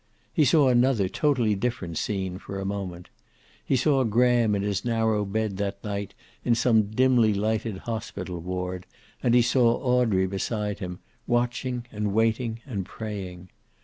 He saw another, totally different scene, for a moment. He saw Graham in his narrow bed that night in some dimly lighted hospital ward, and he saw Audrey beside him, watching and waiting and praying.